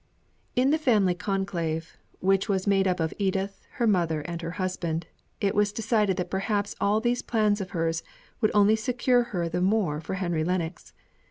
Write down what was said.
In the family conclave, which was made up of Edith, her mother, and her husband, it was decided that perhaps all these plans of hers would only secure her the more for Henry Lennox.